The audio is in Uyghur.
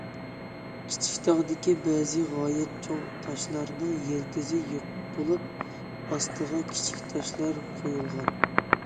كىچىك تاغدىكى بەزى غايەت چوڭ تاشلارنىڭ يىلتىزى يوق بولۇپ، ئاستىغا كىچىك تاشلار قويۇلغان.